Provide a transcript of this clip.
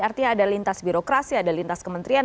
artinya ada lintas birokrasi ada lintas kementerian